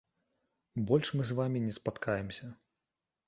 Больш мы з вамі не спаткаемся.